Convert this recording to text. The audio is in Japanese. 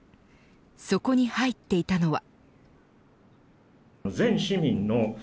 そこに入っていたのは。